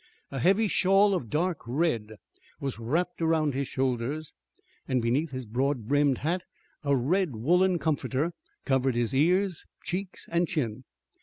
A heavy shawl of dark red was wrapped around his shoulders, and beneath his broad brimmed hat a red woolen comforter covered his ears, cheeks, and chin.